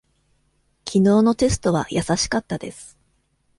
きのうのテストは易しかったです。